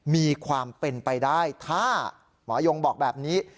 มีความเป็นไปได้ถ้าหมอยงบอกแบบนี้